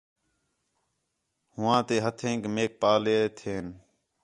ہوآں تے ہتھینک میک پاہلے تھہین